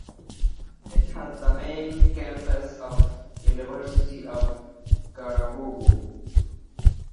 It has the main campus of the University of Carabobo.